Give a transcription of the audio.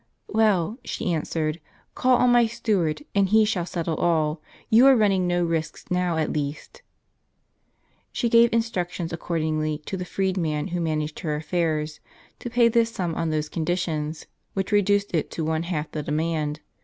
"Well," she answered, "call on my steward, and he shall settle all. You are running no risks now at least." She gave instructions, accordingly, to the freed man who managed her affairs, to pay this sum on those conditions, which reduced it to one half the demand.